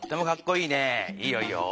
いいよいいよ。